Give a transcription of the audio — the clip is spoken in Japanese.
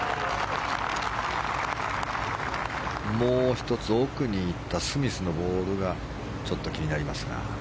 もう１つ奥に行ったスミスのボールがちょっと気になりますが。